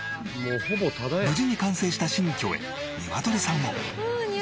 無事に完成した新居へニワトリさんを。